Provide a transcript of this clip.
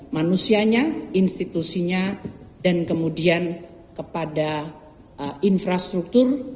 manusianya institusinya dan kemudian kepada infrastruktur